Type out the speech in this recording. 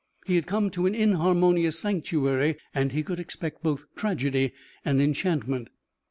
He had come to an inharmonious sanctuary and he could expect both tragedy and enchantment.